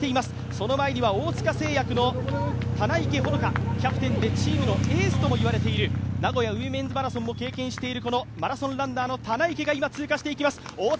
その前には大塚製薬の棚池穂乃香、キャプテンでチームのエースとも言われている名古屋ウィメンズマラソンも経験しているマラソンランナーの棚池が今、通過していきます。